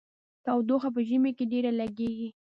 تودوخه په ژمي کې ډیره لګیږي.